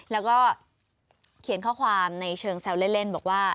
แล้วก็เขียนข้อความในเชิงแซวเล่นบอกว่า